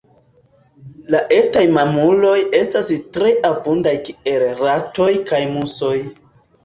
La etaj mamuloj estas tre abundaj kiel ratoj kaj musoj.